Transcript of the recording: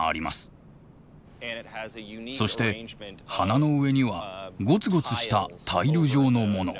そして鼻の上にはゴツゴツしたタイル状のもの。